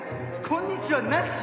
「こんにちは」なし？